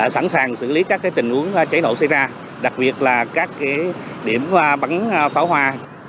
sẵn sàng xử lý các tình huống cháy nổ xảy ra đặc biệt là các điểm bắn pháo hoa